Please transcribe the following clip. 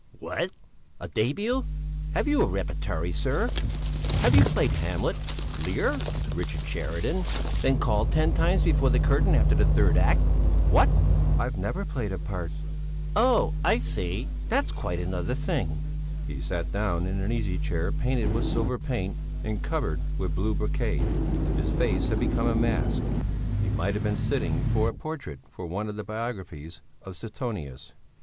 "What? A début? Have you a repertory, sir? Have you played 'Hamlet,' 'Lear,' 'Richard Sheridan'; been called ten times before the curtain after the third act? What?" "I've never played a part." "Oh, I see! That's quite another thing!" He sat down in an easy chair painted with silver paint and covered with blue brocade. His face had become a mask. He might have been sitting for a portrait for one of the biographies of Suetonius.